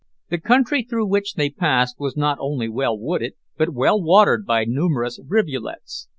The country through which they passed was not only well wooded, but well watered by numerous rivulets.